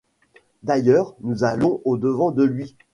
d’ailleurs, nous allons au-devant de lui.